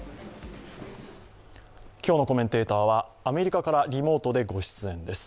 今日のコメンテーターはアメリカからリモートでご出演です。